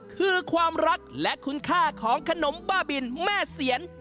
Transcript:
คือความรักและคุณค่าของขนมบ้าบินแม่เสียน